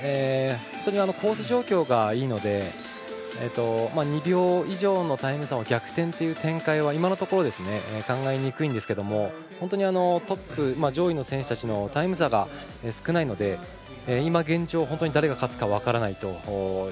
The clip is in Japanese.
コース状況がいいので２秒以上のタイム差を逆転という展開は今のところ考えにくいんですけれども本当にトップ、上位の選手たちのタイム差が少ないので今現状、誰が勝つか分からないと。